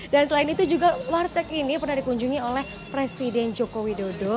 dan selain itu juga warteg ini pernah dikunjungi oleh presiden joko widodo